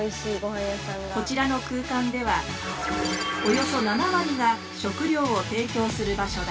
こちらの空間ではおよそ７割が食料を提供する場所だ。